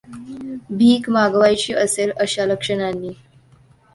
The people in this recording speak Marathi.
भीक मागावयाची असेल अशा लक्षणानी!